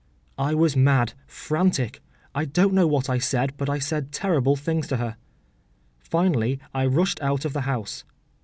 I was mad, frantic; I don’t know what I said, but I said terrible things to her. Finally I rushed out of the house.